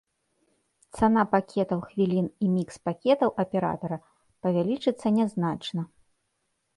Цана пакетаў хвілін і мікс-пакетаў аператара павялічыцца нязначна.